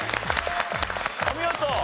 お見事！